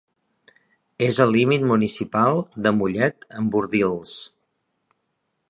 És al límit municipal de Mollet amb Bordils.